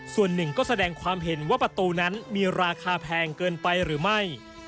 ส่วนหนึ่งก็แสดงความเห็นว่าประตูนั้นมีราคาแพงเกินไปหรือไม่